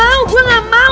ya gue gak mau